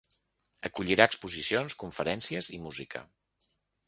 Acollirà exposicions, conferències i música.